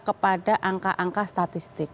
kepada angka angka statistik